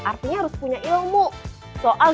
artinya harus punya ilmu soal